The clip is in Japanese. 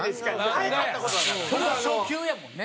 それを初球やもんね。